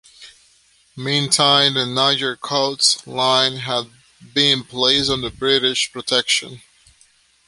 Meantime the Niger coast line had been placed under British protection.